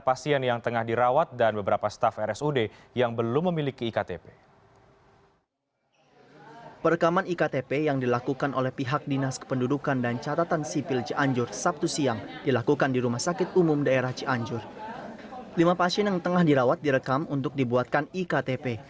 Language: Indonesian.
lima pasien yang tengah dirawat direkam untuk dibuatkan iktp